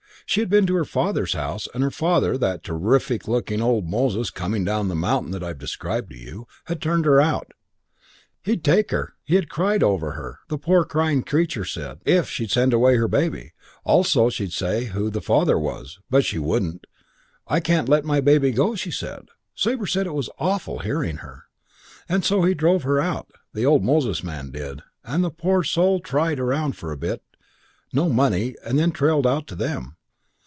She'd been to her father's house, and her father, that terrific looking old Moses coming down the mountain that I've described to you, had turned her out. He'd take her he had cried over her, the poor crying creature said if she'd send away her baby, also if she'd say who the father was, but she wouldn't. 'I can't let my little baby go,' she said. Sabre said it was awful, hearing her. And so he drove her out, the old Moses man did, and the poor soul tried around for a bit no money and then trailed out to them.